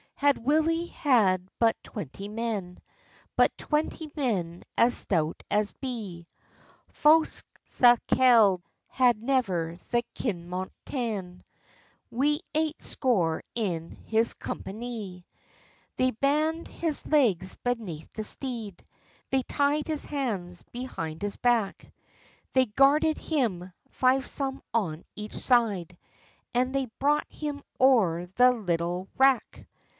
Had Willie had but twenty men, But twenty men as stout as be, Fause Sakelde had never the Kinmont taen Wi eight score in his companie. They band his legs beneath the steed, They tied his hands behind his back; They guarded him, fivesome on each side, And they brought him ower the Liddel rack.